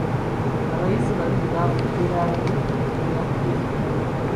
Abayizi babiri baafudde laddu bwe yakubye ekibiina.